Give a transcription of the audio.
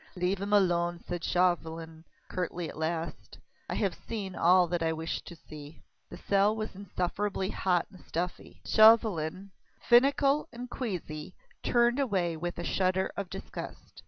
"Leave him alone," said Chauvelin curly at last. "I have seen all that I wished to see." The cell was insufferably hot and stuffy. Chauvelin, finical and queasy, turned away with a shudder of disgust.